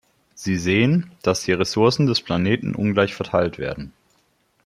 Sie sehen, dass die Ressourcen des Planeten ungleich verteilt werden.